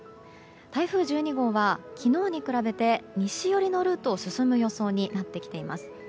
台風１２号は昨日に比べて西寄りのルートを進む予想になってきています。